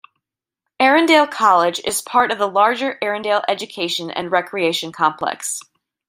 Erindale College is part of the larger Erindale Education and Recreation Complex.